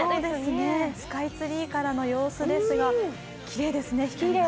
スカイツリーからの様子ですが、きれいですね。